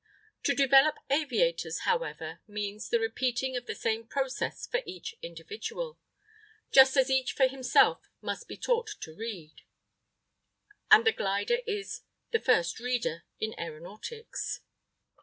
To develop aviators, however, means the repeating of the same process for each individual just as each for himself must be taught to read. And the glider is the "First Reader" in aeronautics.